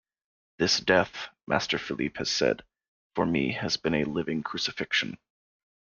"This death," Master Philippe has said, "for me has been a living crucifixion.